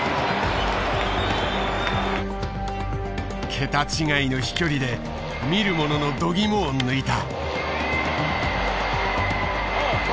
桁違いの飛距離で見る者のどぎもを抜いた。